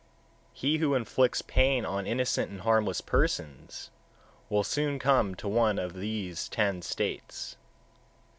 137. He who inflicts pain on innocent and harmless persons, will soon come to one of these ten states: 138.